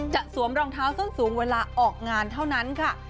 สวมรองเท้าส้นสูงเวลาออกงานเท่านั้นค่ะ